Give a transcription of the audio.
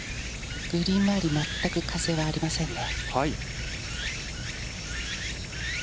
グリーン周り、全く風はありませんね。